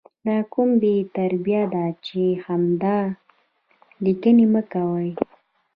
دا کوم بې تربیه ده چې همدا 💩 لیکي مه کوي